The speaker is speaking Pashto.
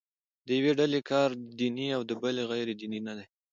د یوې ډلې کار دیني او د بلې غیر دیني نه دی.